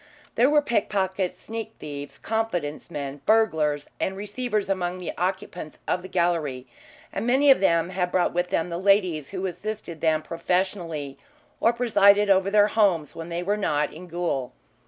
There were pickpockets, sneak thieves, confidence men, burglars, and receivers among the occupants of the gallery, and many of them had brought with them the ladies who assisted them professionally or presided over their homes when they were not in gaol.